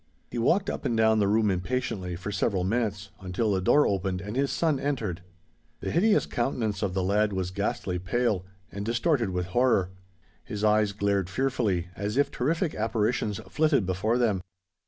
He walked up and down the room impatiently for several minutes, until the door opened and his son entered. The hideous countenance of the lad was ghastly pale, and distorted with horror. His eyes glared fearfully, as if terrific apparitions flitted before them.